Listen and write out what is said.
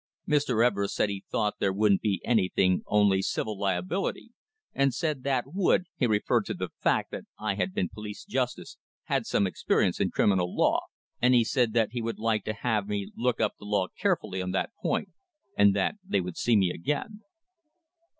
Mr. Everest said he thought there wouldn't be anything only civil liability, and said that would he referred to the fact that I had been police justice, had some experience in criminal law and he said that he would like to have me look up the law carefully on that point, and that they would see me again."